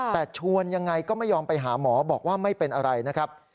แต่ชวนยังไงก็ไม่ยอมไปหาหมอบอกว่าไม่เป็นอะไรนะครับ